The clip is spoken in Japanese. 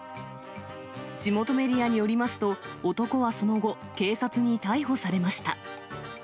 地元メディアによりますと、男はその後、警察に逮捕されました。